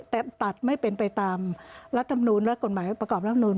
แต่ตัดไม่เป็นไปตามรัฐมนูลและกฎหมายประกอบรัฐมนูล